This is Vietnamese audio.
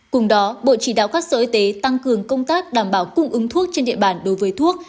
cùng đó bộ chỉ đạo các sở y tế tăng cường công tác đảm bảo cung ứng thuốc trên địa bàn đối với thuốc